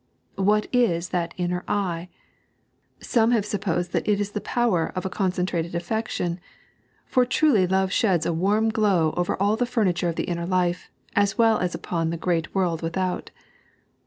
What is that inner eye T Some have supposed that it is the power of a concentrated affection, for truly love sheds a warm glow over all the furniture of the inner life, as well OS upon the great world without.